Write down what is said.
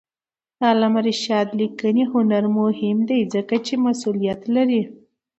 د علامه رشاد لیکنی هنر مهم دی ځکه چې مسئولیت لري.